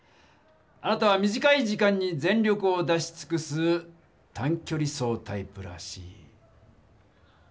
あなたは短い時間に全力を出しつくす短距離走タイプらしい。